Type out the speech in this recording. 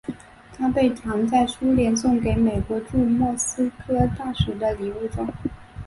它被藏在一个苏联送给美国驻莫斯科大使的礼物中。